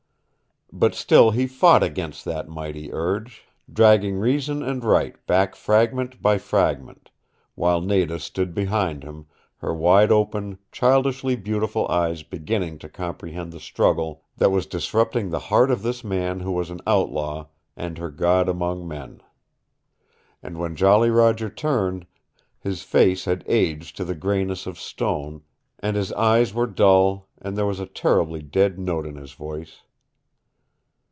But still he fought against that mighty urge, dragging reason and right back fragment by fragment, while Nada stood behind him, her wide open, childishly beautiful eyes beginning to comprehend the struggle that was disrupting the heart of this man who was an outlaw and her god among men. And when Jolly Roger turned, his face had aged to the grayness of stone, and his eyes were dull, and there was a terribly dead note in his voice.